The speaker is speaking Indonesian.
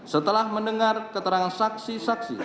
setelah mendengar keterangan saksi saksi